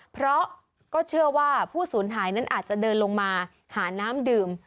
เพราะก็เชื่อว่าผู้สูญหายนั้นอาจจะเดินลงมาหาน้ำดื่ม